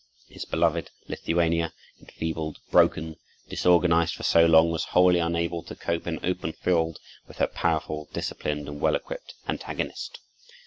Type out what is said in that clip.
His beloved Lithuania, enfeebled, broken, disorganized for so long, was wholly unable to cope in open field with her powerful, disciplined, and well equipped antagonist.